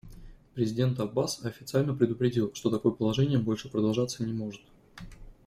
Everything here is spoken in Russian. Президент Аббас официально предупредил, что такое положение больше продолжаться не может.